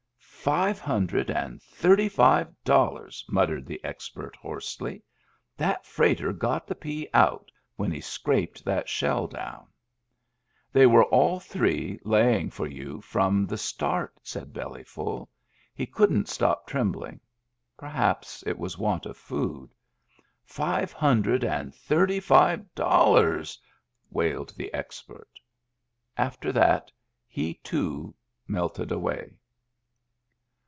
" Five hundred and thirty five dollars," muttered the expert, hoarsely. "That freighter got the pea out when he scraped that shell down." " They were, all three, laying for you from the start," said Bellyful. He couldn' t stop trembling. Perhaps it was want of food. " Five hundred and thirty five dollars," wailed the expert Digitized by VjOOQIC 322 MEMBERS OF THE FAMILY After that, he, too, melted away.